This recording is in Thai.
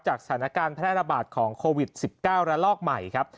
สถานการณ์แพร่ระบาดของโควิด๑๙ระลอกใหม่ครับ